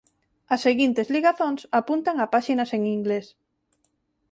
As seguintes ligazóns apuntan a páxinas en inglés.